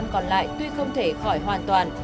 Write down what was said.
ba mươi còn lại tuy không thể khỏi hoàn toàn